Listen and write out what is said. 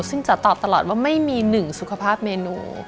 ซึ่งจะตอบตลอดว่าไม่มีหนึ่งสุขภาพเมนู